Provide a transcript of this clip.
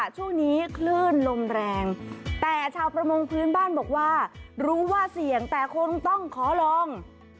ช่วงนี้คลื่นลมแรงแต่ชาวประมงพื้นบ้านบอกว่ารู้ว่าเสี่ยงแต่คงต้องขอลอง